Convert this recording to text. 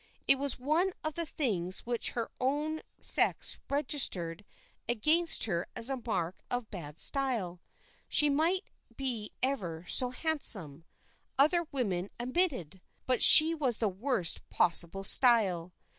It was one of the things which her own sex registered against her as a mark of bad style. She might be ever so handsome, other women admitted, but she was the worst possible style.